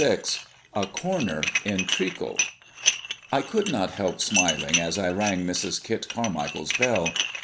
VI A CORNER IN TREACLE I could not help smiling as I rang Mrs. Kit Carmichael's bell.